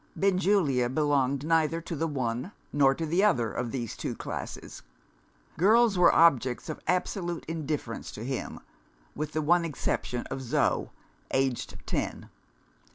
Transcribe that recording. Benjulia belonged neither to the one nor to the other of these two classes. Girls were objects of absolute indifference to him with the one exception of Zo, aged ten.